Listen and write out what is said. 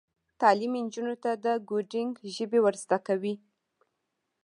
تعلیم نجونو ته د کوډینګ ژبې ور زده کوي.